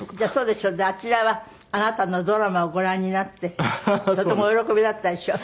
であちらはあなたのドラマをご覧になってとてもお喜びだったでしょ？